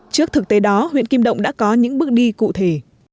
trước thực tế đó huyện kim động đã có những bước đi cụ thể